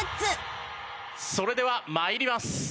それでは参ります。